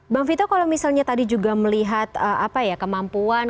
bang vito kalau misalnya tadi juga melihat kemampuan